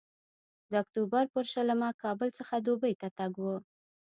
د اکتوبر پر شلمه کابل څخه دوبۍ ته تګ و.